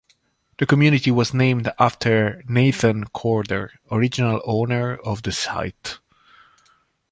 The community was named after Nathan Corder, original owner of the site.